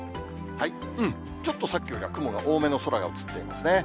ちょっとさっきよりは雲が多めの空が映っていますね。